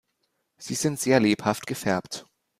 Sie sind sehr lebhaft gefärbt.